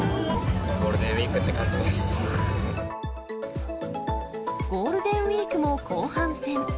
ゴールデンウィークって感じゴールデンウィークも後半戦。